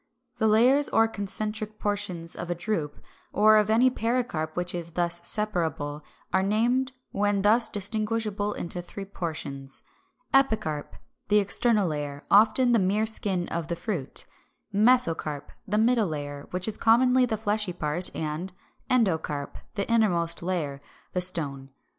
The layers or concentric portions of a drupe, or of any pericarp which is thus separable, are named, when thus distinguishable into three portions, Epicarp, the external layer, often the mere skin of the fruit, Mesocarp, the middle layer, which is commonly the fleshy part, and Endocarp, the innermost layer, the stone.